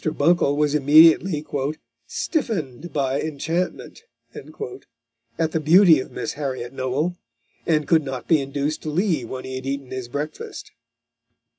Buncle was immediately "stiffened by enchantment" at the beauty of Miss Harriot Noel, and could not be induced to leave when he had eaten his breakfast.